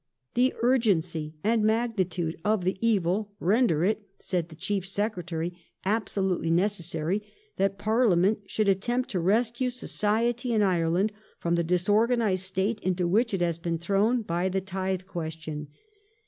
The urgency and magnitude of the evil render it," said the Chief Secretary, *' absolutely necessary that Parliament should attempt to rescue society in Ireland from the disorganized state into which it has been thrown by the Tithe Question.